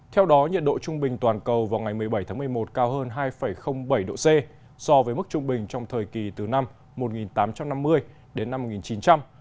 theo đó nhiệt độ trung bình toàn cầu vào ngày một mươi bảy tháng một mươi một cao hơn hai bảy độ c so với mức trung bình trong thời kỳ từ năm một nghìn tám trăm năm mươi đến năm một nghìn chín trăm linh